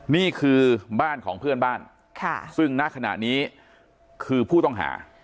นี่คือบ้านของเพื่อนบ้านซึ่งณขณะนี้คือผู้ต้องหา